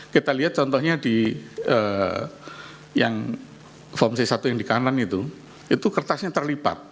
kita lihat contohnya di yang form c satu yang di kanan itu itu kertasnya terlipat